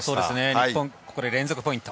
日本ここで連続ポイント。